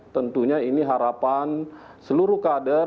tentunya ini harapan seluruh kader